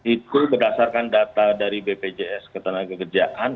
itu berdasarkan data dari bpjs ketenagakerjaan